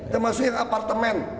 termasuk yang apartemen